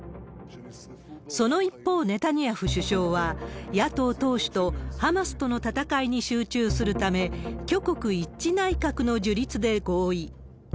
その一方、ネタニヤフ首相は、野党党首とハマスとの戦いに集中するため、挙国一致内閣の樹立で合意。